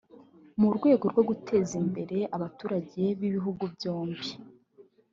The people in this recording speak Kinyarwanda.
mu rwego rwo guteza imbere abaturage b’ibihugu byombi